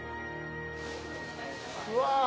うわ。